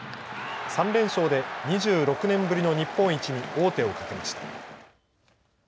３連勝で２６年ぶりの日本一に王手をかけました。